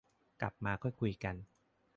กลับมาค่อยคุยกัน